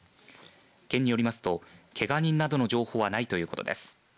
県によりますと、けが人などの情報はないということです。